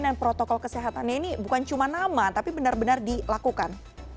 dan protokol kesehatannya ini bukan cuma nama tapi benar benar dilakukan